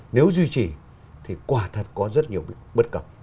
nếu duy trì thì quả thật có rất nhiều bất cập